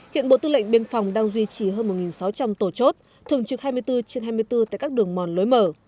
hiện bộ tư lệnh biên phòng đang duy trì hơn một sáu trăm linh tổ chốt thường trực hai mươi bốn trên hai mươi bốn tại các đường mòn lối mở